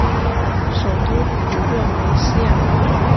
首府普热梅希尔。